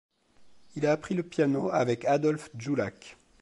Il a appris le piano avec Adolph Jullack.